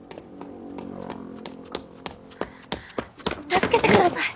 助けてください！